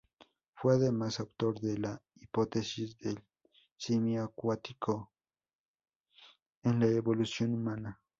Fue además autor de la hipótesis del simio acuático en la evolución humana.